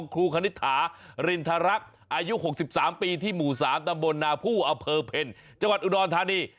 คณิตถารินทรรักษ์อายุ๖๓ปีที่หมู่๓ตำบลนาผู้อเภอเพลจังหวัดอุดรธานี